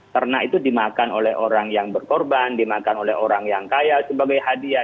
karena itu dimakan oleh orang yang berkorban dimakan oleh orang yang kaya sebagai hadiah